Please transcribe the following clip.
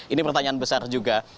ini pertanyaan besar juga